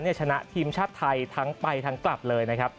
ชนะทีมชาติไทยทั้งไปทั้งกลับเลยนะครับ